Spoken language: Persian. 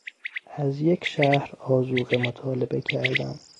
از یک شهر آذوقه مطالبه کردن